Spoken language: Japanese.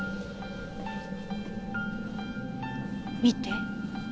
見て。